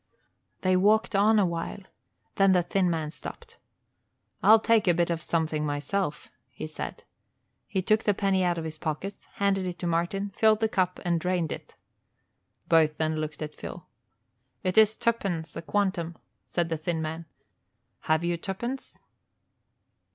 They walked on a while; then the thin man stopped. "I'll take a bit of something myself," he said. He took the penny out of his pocket, handed it to Martin, filled the cup and drained it. Both then looked at Phil. "It is tuppence a quantum," said the thin man. "Have you tuppence?"